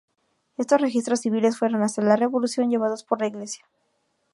Estos registros civiles fueron, hasta la Revolución, llevados por la Iglesia.